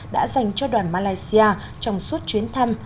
đã dành cho đoàn malaysia trong suốt chuyến thăm